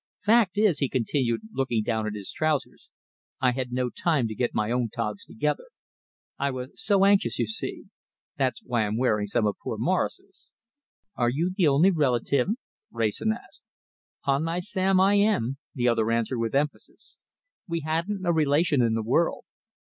Fact is," he continued, looking down at his trousers, "I had no time to get my own togs together. I was so anxious, you see. That's why I'm wearing some of poor Morris's." "Are you the only relative?" Wrayson asked. "'Pon my sam, I am," the other answered with emphasis. "We hadn't a relation in the world.